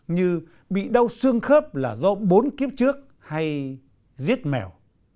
như bị đau xương khớp là do bốn kiếp trước hay giết mèo